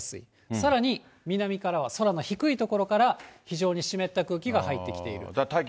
さらに南からは空の低い所から非常に湿った空気が入ってきている。